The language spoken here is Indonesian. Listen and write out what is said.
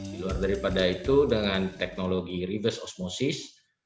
di luar daripada itu dengan teknologi reverse osmosis